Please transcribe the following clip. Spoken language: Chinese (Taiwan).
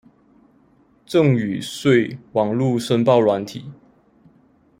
贈與稅網路申報軟體